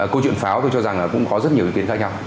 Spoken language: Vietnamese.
câu chuyện pháo tôi cho rằng là cũng có rất nhiều ý kiến khác nhau